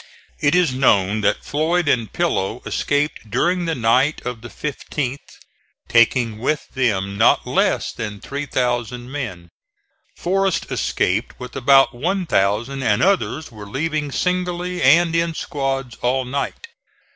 It is known that Floyd and Pillow escaped during the night of the 15th, taking with them not less than 3,000 men. Forrest escaped with about 1,000 and others were leaving singly and in squads all night.